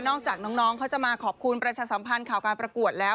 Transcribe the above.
จากน้องเขาจะมาขอบคุณประชาสัมพันธ์ข่าวการประกวดแล้ว